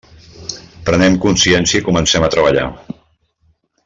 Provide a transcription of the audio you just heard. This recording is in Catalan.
Prenem consciència i comencem a treballar.